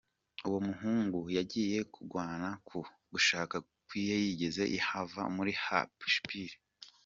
Uwo muhungu yagiye kugwana ku gushaka kwiwe, yize i Havant muri Hampshire.